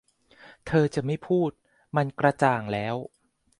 เธอจะไม่พูด มันกระจ่างแล้ว